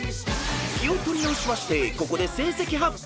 ［気を取り直しましてここで成績発表］